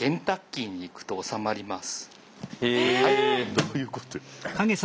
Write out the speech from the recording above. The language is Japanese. どういうこと？